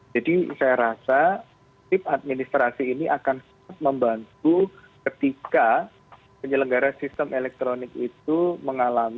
jadi saya rasa tip administrasi ini akan membantu ketika penyelenggara sistem elektronik itu mengalami satu hal yang sangat berat